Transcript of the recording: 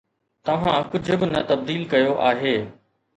توهان ڪجھ به نه تبديل ڪيو آهي